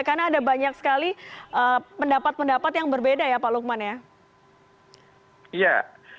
karena ada banyak sekali pendapat pendapat yang berbeda ya pak lukman ya